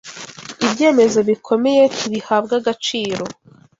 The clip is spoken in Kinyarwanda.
Ibyemezo bikomeye ntibihabwa agaciro